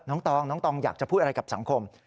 ตองน้องตองอยากจะพูดอะไรกับสังคม